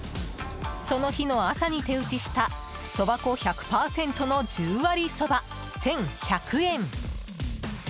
その日の朝に手打ちしたそば粉１００％の十割そば、１１００円。